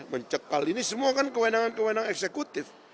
mencekal ini semua kan kewenangan kewenangan eksekutif